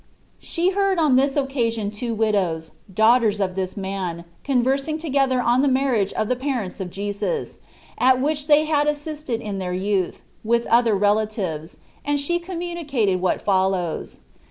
She heard on this occasion two widows, daughters of this man, conversing together on the marriage of the parents of Jesus, at which they had assisted in their youth, with other relatives, and she communi cated what follows.